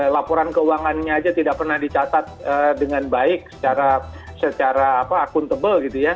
laporan keuangannya aja tidak pernah dicatat dengan baik secara akuntabel gitu ya